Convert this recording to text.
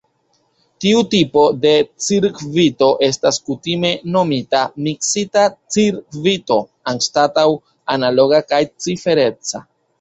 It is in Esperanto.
Tiu tipo de cirkvito estas kutime nomita "miksita cirkvito" anstataŭ "analoga kaj cifereca".